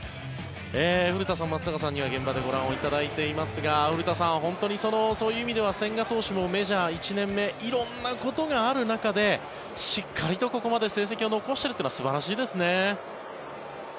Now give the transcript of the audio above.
古田さん、松坂さんには現場でご覧いただいていますが古田さん、本当にそういう意味では千賀投手もメジャー１年目色んなことがある中でしっかりとここまで成績を残しているというのは素晴らしいですね。